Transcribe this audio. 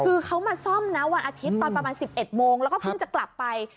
คือเขามาซ่อมนะวันอาทิตย์ตอนประมาณ๑๑โมงแล้วก็เพิ่งจะกลับไป